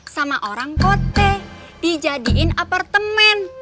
sama orang kote dijadikan apartemen